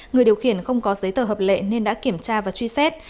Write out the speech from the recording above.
người điều khiển không có giấy tờ hợp lệ nên đã kiểm tra và truy xét